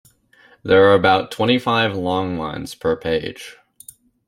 There are about twenty-five long lines per page.